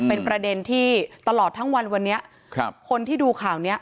เป็นประเด็นที่ตลอดทั้งวันวันนี้ครับคนที่ดูข่าวเนี้ย